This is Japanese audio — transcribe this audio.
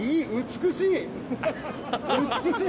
美しい！